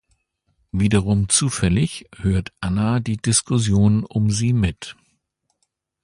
Wiederum zufällig hört Anna die Diskussion um sie mit.